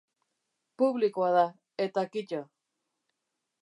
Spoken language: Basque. Publikoa da, eta kito.